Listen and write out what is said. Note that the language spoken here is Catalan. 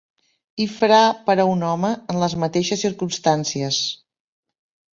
I fra per a un home en les mateixes circumstàncies.